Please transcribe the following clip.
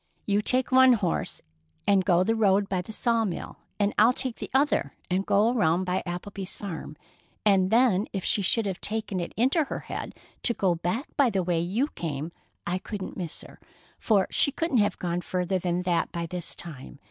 You take one horse and go the road by the sawmill, and I'll take the other and go around by Applebee's farm, and then if she should have taken it into her head to go back by the way you came, I couldn't miss her, for she couldn't have gone further than that by this time.